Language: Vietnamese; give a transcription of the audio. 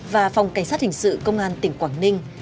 và phòng cảnh sát hình sự công an tỉnh quảng ninh